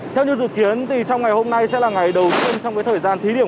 theo như dự kiến trong ngày hôm nay sẽ là ngày đầu tiên trong thời gian thí điểm